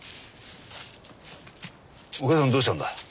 お母さんどうしたんだ？